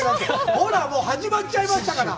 ほら、もう始まっちゃいましたから！